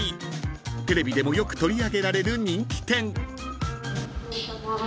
［テレビでもよく取り上げられる人気店］